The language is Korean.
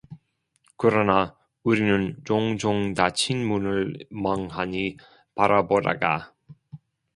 그러나 우리는 종종 닫힌 문을 멍하니 바라보다가